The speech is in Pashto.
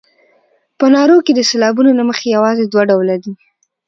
په نارو کې د سېلابونو له مخې یوازې دوه ډوله دي.